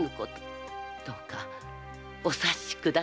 どうかお察しくださいませ。